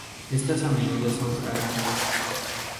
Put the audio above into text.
Estas a menudo son fragantes.